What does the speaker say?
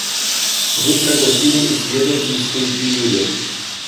Вы проглотили исследовательскую пилюлю.